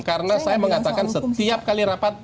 karena saya mengatakan setiap kali rapat